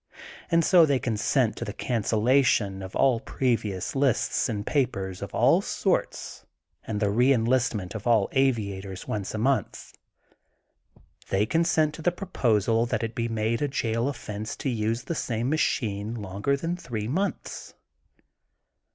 And so they consent to the cancellation pf all previous lists and papers of all sorts THE GOLDEN BOOK OF SPRINGFIELD 151 and the re enlistment of all aviators once a month. They consent to the proposal that it be made a jail offense to use the same ma chine longer than three months.